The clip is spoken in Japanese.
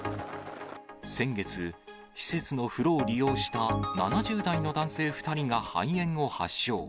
先月、施設の風呂を利用した７０代の男性２人が肺炎を発症。